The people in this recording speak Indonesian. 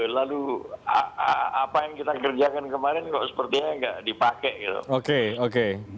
lalu apa yang kita kerjakan kemarin kok sepertinya nggak dipakai gitu